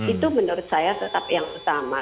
itu menurut saya tetap yang utama